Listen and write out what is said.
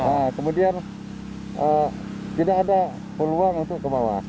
nah kemudian tidak ada peluang untuk ke bawah